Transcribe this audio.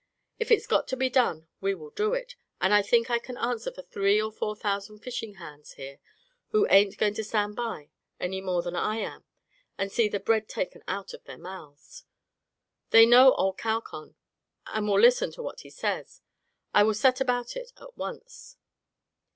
If it's got to be done we will do it, and I think I can answer for three or four thousand fishing hands here who ain't going to stand by any more than I am and see the bread taken out of their mouths. They know old Calcon, and will listen to what he says. I will set about it at once."